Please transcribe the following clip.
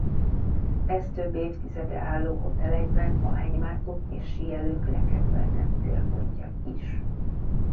Ez több évtizede álló hotel egyben a hegymászók és síelők legkedveltebb célpontja is.